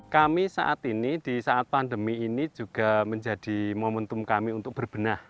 kami saat ini di saat pandemi ini juga menjadi momentum kami untuk berbenah